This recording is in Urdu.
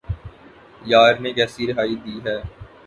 یار نے کیسی رہائی دی ہے